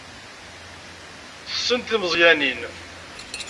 Tessen timeẓyanin.